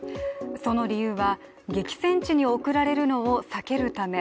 その理由は、激戦地に送られるのを避けるため。